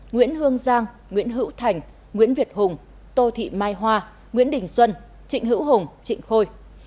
nguyễn hương giang nguyễn hữu thành nguyễn việt hùng tô thị mai hoa nguyễn đình xuân trịnh hữu hùng trịnh khôi